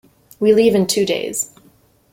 We leave in two days.